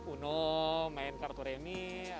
uno main kartu remi